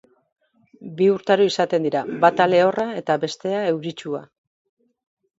Bi urtaro izaten dira, bata lehorra eta bestea euritsua.